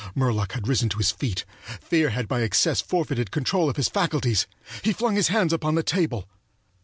Murlock had risen to his feet. Fear had by excess forfeited control of his faculties. He flung his hands upon the table.